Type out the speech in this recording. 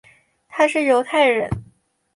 他是犹太人。